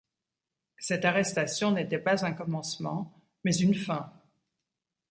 Cette arrestation n’était pas un commencement, mais une fin.